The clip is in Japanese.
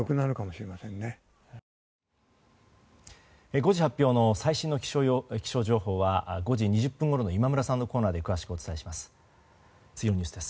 ５時発表の最新の気象情報は５時２０分ごろの今村さんのコーナーで詳しくお伝えします。